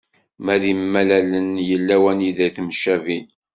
Ma d imalalen, yella wanida i temcabin.